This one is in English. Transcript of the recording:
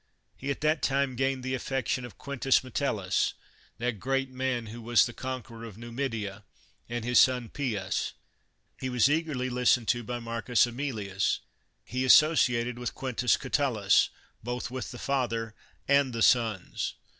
He at that time gained the affection of Quintus Metellus, that great man who was the conqueror of Numidia, and his son Pius. He was 134 CICERO eagerly listened to by Marcus JBmilius; he associated with Quintus Catulus — ^both with the father and the sons.